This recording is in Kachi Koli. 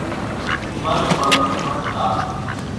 مل پڻ وڍتا۔